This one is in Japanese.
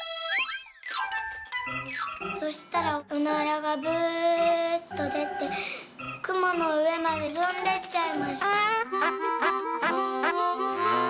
「そしたらおならが『ブーッ』とでてくものうえまでとんでっちゃいました」。